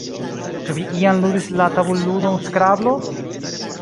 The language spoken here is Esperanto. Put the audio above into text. Ĉu vi iam ludis la tabulludon Skrablo?